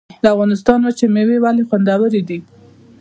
د افغانستان وچې میوې ولې خوندورې دي؟